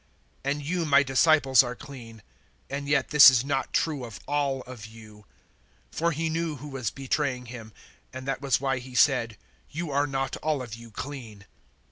And you my disciples are clean, and yet this is not true of all of you." 013:011 For He knew who was betraying Him, and that was why He said, "You are not all of you clean."